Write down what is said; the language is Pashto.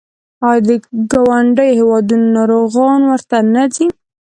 آیا له ګاونډیو هیوادونو ناروغان ورته نه ځي؟